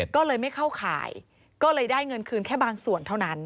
ก็เลยไม่เข้าข่ายก็เลยได้เงินคืนแค่บางส่วนเท่านั้น